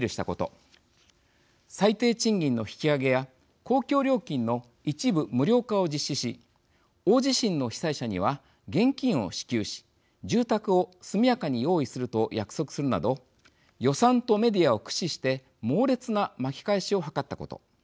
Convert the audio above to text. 最低賃金の引き上げや公共料金の一部無料化を実施し大地震の被災者には現金を支給し住宅を速やかに用意すると約束するなど予算とメディアを駆使して猛烈な巻き返しを図ったこと。